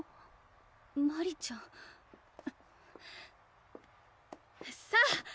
・マリちゃんさぁ！